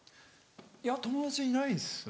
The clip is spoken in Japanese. いや友達はいないですね。